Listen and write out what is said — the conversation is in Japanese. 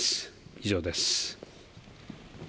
以上です。